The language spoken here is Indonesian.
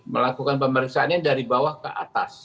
melakukan pemeriksaannya dari bawah ke atas